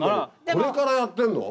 これからやってんの？